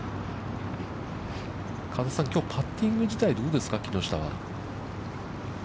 加瀬さん、きょうパッティング自体、どうですか、木下は。